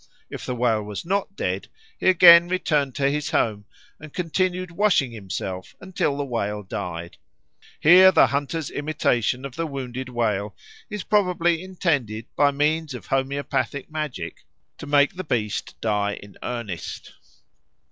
If the whale was not dead, he again returned to his home and continued washing himself until the whale died. Here the hunter's imitation of the wounded whale is probably intended by means of homoeopathic magic to make the beast die in earnest.